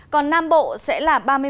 còn nam bộ sẽ là ba mươi một